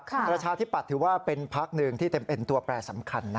ประชาธิปัตย์ถือว่าเป็นพักหนึ่งที่เต็มเป็นตัวแปรสำคัญ